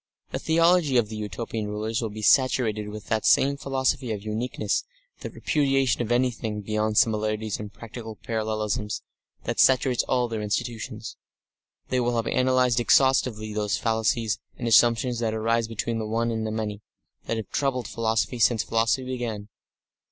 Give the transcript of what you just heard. The theology of the Utopian rulers will be saturated with that same philosophy of uniqueness, that repudiation of anything beyond similarities and practical parallelisms, that saturates all their institutions. They will have analysed exhaustively those fallacies and assumptions that arise between the One and the Many, that have troubled philosophy since philosophy began.